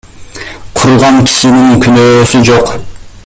Курган кишинин күнөөсү жок.